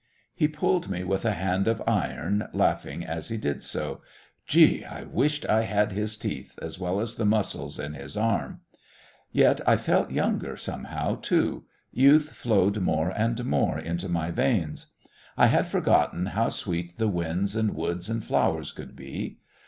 He pulled me with a hand of iron, laughing as he did so. Gee! I wished I had his teeth, as well as the muscles in his arm. Yet I felt younger, somehow, too youth flowed more and more into my veins. I had forgotten how sweet the winds and woods and flowers could be.